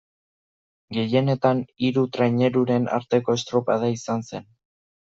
Gehienetan hiru traineruren arteko estropada izan zen.